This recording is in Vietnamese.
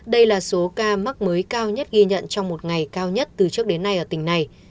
đây là số ca mắc mới cao nhất ghi nhận trong một ngày cao nhất từ trước đến nay ở tỉnh này